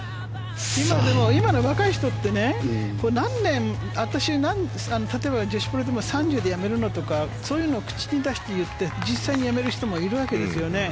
今の若い人って、何年例えば女子プロでも３０で辞めるとかそういうのを口に出して言って実際に辞める人もいるわけですよね。